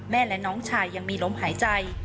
และน้องชายยังมีลมหายใจ